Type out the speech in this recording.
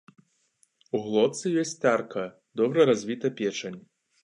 У глотцы ёсць тарка, добра развіта печань.